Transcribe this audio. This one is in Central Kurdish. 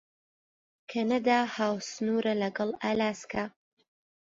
کەنەدا هاوسنوورە لەگەڵ ئالاسکا.